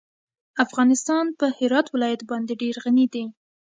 افغانستان په هرات ولایت باندې ډېر غني دی.